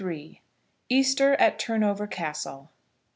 EASTER AT TURNOVER CASTLE.